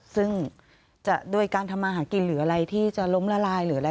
ซึ่งจะโดยการทำมาหากินหรืออะไรที่จะล้มละลายหรืออะไร